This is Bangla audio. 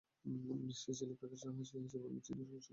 সেই ছেলে ফ্যাকাসে হাসি হেসে বলল, জ্বি-না, সমস্যা কিসের?